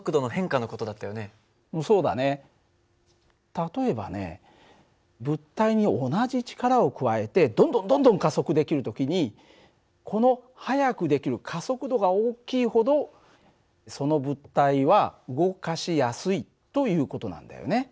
例えばね物体に同じ力を加えてどんどんどんどん加速できる時にこの速くできる加速度が大きいほどその物体は動かしやすいという事なんだよね。